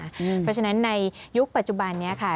เพราะฉะนั้นในยุคปัจจุบันนี้ค่ะ